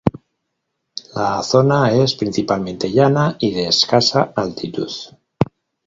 La zona es principalmente llana y de escasa altitud.